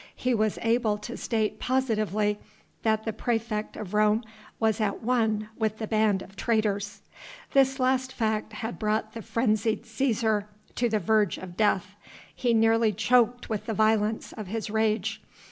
He was able to state positively that the praefect of Rome was at one with the band of traitors. This last fact had brought the frenzied Cæsar to the verge of death. He nearly choked with the violence of his rage.